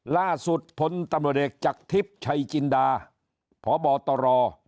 ล่าสุดทนธรรมเดชน์จักรทิพย์ชัยจินดาพบตร